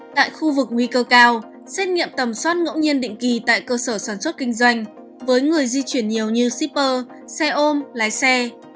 tại khu vực nguy cơ cao xét nghiệm tầm soát ngẫu nhiên định kỳ tại cơ sở sản xuất kinh doanh với người di chuyển nhiều như shipper xe ôm lái xe